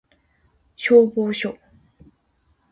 消防署